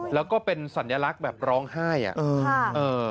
แล้วก็เป็นสัญลักษณ์แบบร้องไห้อะ